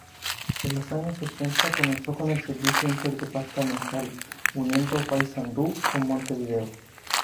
En los años ochenta comenzó con el servicio interdepartamental, uniendo Paysandú con Montevideo.